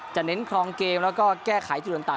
จะเน้นครองเกมและก็แก้ขายจุดส่วนต่าง